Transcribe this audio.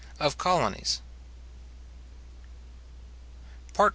OF COLONIES. PART I.